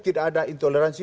tidak ada intoleransi